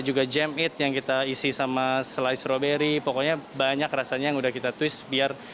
juga forgetting key tasitsama setups robbery pokoknya banyak rasanya udah kita twist biar